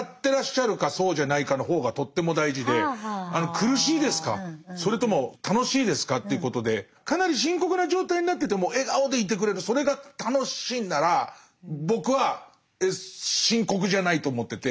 苦しいですかそれとも楽しいですかっていうことでかなり深刻な状態になってても笑顔でいてくれるそれが楽しいんなら僕は深刻じゃないと思ってて。